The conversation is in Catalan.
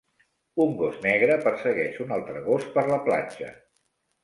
Un gos negre persegueix un altre gos per la platja.